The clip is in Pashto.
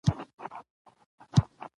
د ویښتو له فولیکونو یا پیازو